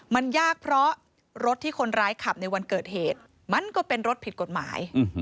มันยากเพราะรถที่คนร้ายขับในวันเกิดเหตุมันก็เป็นรถผิดกฎหมาย